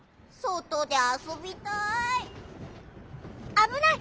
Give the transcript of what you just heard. ・あぶない！